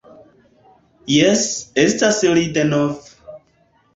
Jes, estas li denove